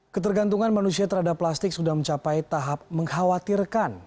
ketergantungan manusia terhadap plastik sudah mencapai tahap mengkhawatirkan